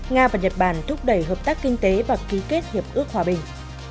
nga và nhật bản thúc đẩy hợp tác kinh tế và ký kết hiệp ước hòa bình